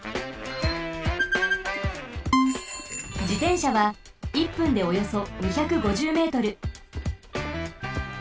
じてんしゃは１分でおよそ２５０ｍ。